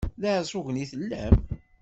D iɛeggunen i tellam?